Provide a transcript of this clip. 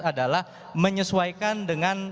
adalah menyesuaikan dengan